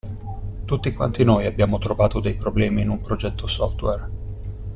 Tutti quanti noi abbiamo trovato dei problemi in un progetto software.